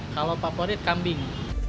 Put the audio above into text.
kalau favorit kambing